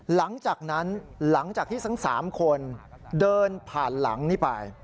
หลังจากนั้นหลังจากที่สัก๓คนเดินผ่านหลังนี้ไป